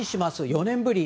４年ぶり。